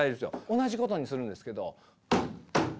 同じことするんですけど。